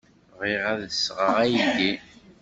Bɣiɣ ad d-sɣeɣ aydi.